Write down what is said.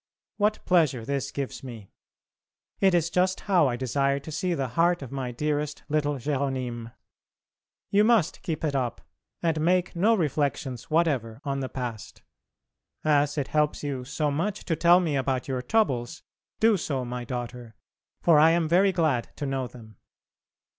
What pleasure this gives me! It is just how I desire to see the heart of my dearest little Jéronyme. You must keep it up and make no reflections whatever on the past. As it helps you so much to tell me about your troubles, do so, my daughter, for I am very glad to know them.